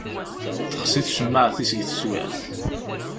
Texṣi tcemmaεt-is deg teswiεt.